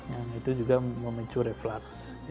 yang itu juga memicu refleks